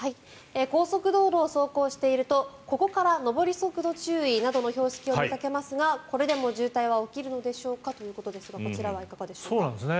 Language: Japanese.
高速道路を走行しているとここから上り速度注意などの標識を見かけますがこれでも渋滞は起きるのでしょうかということですがいかがでしょうか。